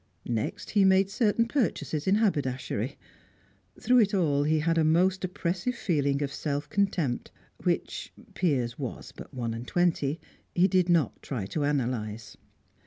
Next he made certain purchases in haberdashery. Through it all, he had a most oppressive feeling of self contempt, which Piers was but one and twenty he did not try to analyze.